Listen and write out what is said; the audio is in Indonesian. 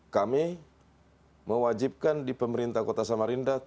kami mewajibkan di pemerintah kota samarinda